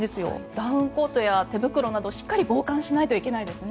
ダウンコートや手袋などしっかり防寒しないといけないですね。